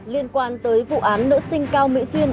liên quan tới vụ án nữ sinh cao mỹ xuyên